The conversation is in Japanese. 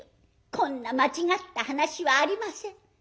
こんな間違った話はありません。